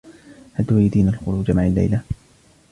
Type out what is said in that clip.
هل تريدين الخروج معي الليلة ؟